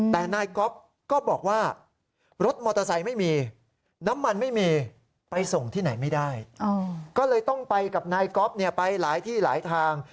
เธอเนี่ยพาเธอไปหลายที่หลายทาง